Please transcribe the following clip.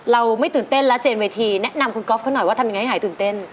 เราไม่ตื่นเต้นแล้วเจนเวทีแนะนำคุณก๊อฟเขาหน่อยว่าทำยังไงให้หายตื่นเต้น